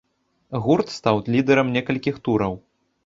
Гурт стаў лідэрам некалькіх тураў.